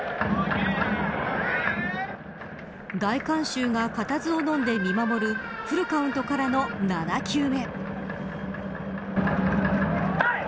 大観衆が固唾をのんで見守るフルカウントからの７球目。